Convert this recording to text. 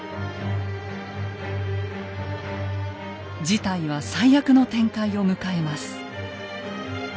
事態は最悪の展開を迎えます。